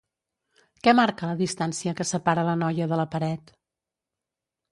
Què marca la distancia que separa la noia de la paret?